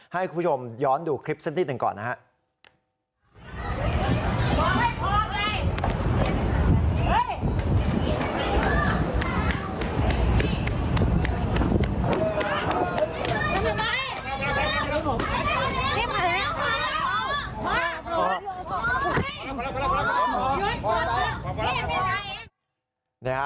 ให้คุณผู้ชมย้อนดูคลิปเซ็นตินหนึ่งก่อนนะฮะ